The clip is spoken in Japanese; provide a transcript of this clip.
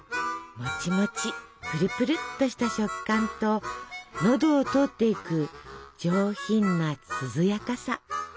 もちもちプルプルっとした食感と喉を通っていく上品な涼やかさ。